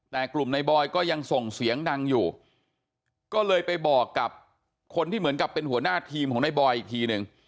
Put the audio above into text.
แต่กลุ่มในบอยก็ยังส่งเสียงดังอยู่ก็เลยไปบอกกับคนที่เหมือนกับเป็นหัวหน้าทีมของในบอยอีกทีหนึ่ง